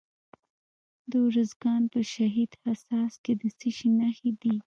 د ارزګان په شهید حساس کې د څه شي نښې دي؟